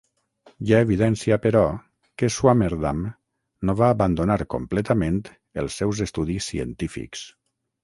Hi ha evidència, però, que Swammerdam no va abandonar completament els seus estudis científics.